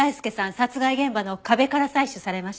殺害現場の壁から採取されました。